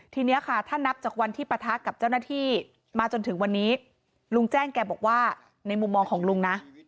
ผมกับผมถ้าว่าเป็นผมกับผมไม่มีความสามารถ